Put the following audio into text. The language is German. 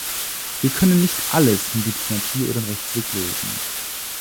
Wir können nicht alles mit Diplomatie oder im Rechtsweg lösen.